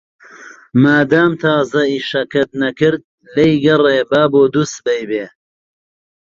مادام تازە ئیشەکەت نەکرد، لێی گەڕێ با بۆ دووسبەی بێ.